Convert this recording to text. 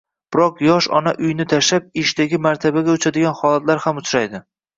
biroq yosh ona uyni tashlab, ishdagi martabaga uchadigan holatlar ham uchraydi.